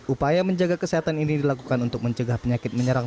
upaya menjaga kesehatan ini dilakukan untuk mencegah penyakit menyerang